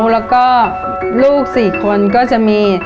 แล้วก็ลูก๔คนก็จะมี